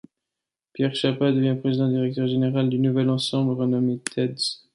Pierre Chappaz devient Président Directeur Général du nouvel ensemble, renommé Teads.